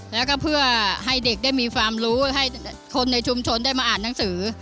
แล้วก็เพื่อให้เด็กได้มีความรู้ให้คนในชุมชนได้มาอ่านหนังสือ